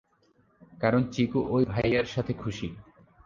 কারন চিকু ওই ভাইয়ার সাথে খুশি।